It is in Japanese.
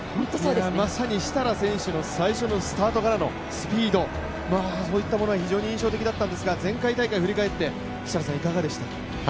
まさに設楽選手の最初のスタートからのスピード、そういったものは非常に印象的だったんですが、前回大会振り返っていかがでしたか。